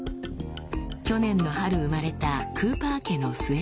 去年の春生まれたクーパー家の末っ子です。